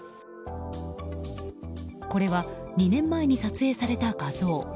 これは２年前に撮影された画像。